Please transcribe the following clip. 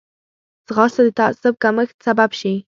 ځغاسته د تعصب کمښت سبب شي